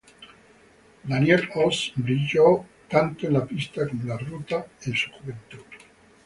Daniel Oss brillo tanto en la pista como en la ruta en su juventud.